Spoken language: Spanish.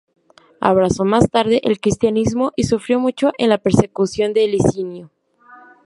Abrazó más tarde el cristianismo y sufrió mucho en la persecución de Licinio.